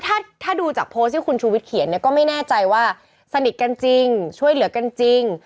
ถ้าถ้าดูจากโพสต์ที่คุณชูวิทเขียนเนี่ยก็ไม่แน่ใจว่าสนิทกันจริงช่วยเหลือกันจริง